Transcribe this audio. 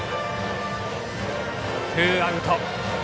ツーアウト。